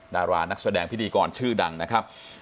ดารานักแสดงพิธีกรชื่อดังนะครับ